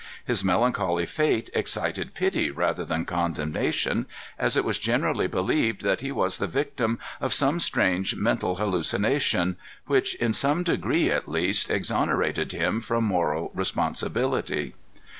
His melancholy fate excited pity rather than condemnation, as it was generally believed that he was the victim of some strange mental hallucination, which, in some degree at least, exonerated him from moral responsibility.